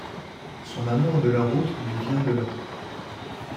Son amour de la route lui vient de là.